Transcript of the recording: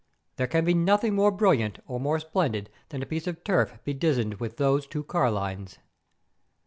There can be nothing more brilliant or more splendid than a piece of turf bedizened with those two carlines.